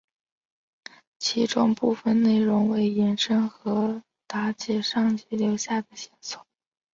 其中部分内容为延伸和解答上集留下的线索。